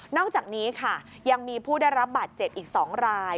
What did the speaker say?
อกจากนี้ค่ะยังมีผู้ได้รับบาดเจ็บอีก๒ราย